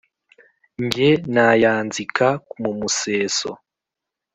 Jye nayanzika mu museso,